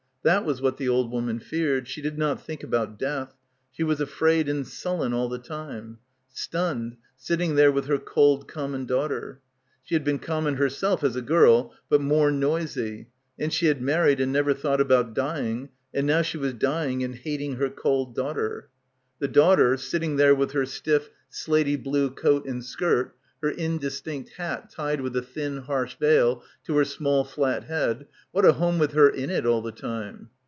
... That was what the old woman feared. She did not think about death. She was afraid and sullen all the time. Stunned, sitting there with her cold com mon daughter. She had been common herself as a girl, but more noisy, and she had married and — 126 — BACKWATER never thought about dying, and now she was dy ing and hating her cold daughter. The daughter, sitting there with her stiff slatey blue coat and skirt, her indistinct hat tied with a thin harsh veil to her small flat head — what a home with her in it all the time.